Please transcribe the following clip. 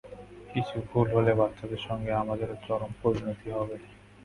কিছু ভুল হলে, বাচ্চাদের সঙ্গে আমাদেরও চরম পরিণতি হবে।